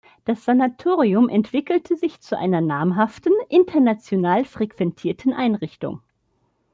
Das Sanatorium entwickelte sich zu einer namhaften, international frequentierten Einrichtung.